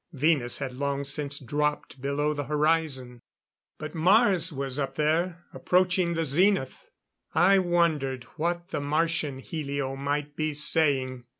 Venus had long since dropped below the horizon. But Mars was up there approaching the zenith. I wondered what the Martian helio might be saying.